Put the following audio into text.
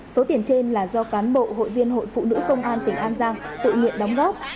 số tiền trên là do cán bộ hội viên hội phụ nữ công an tỉnh an giang tự nguyện đóng góp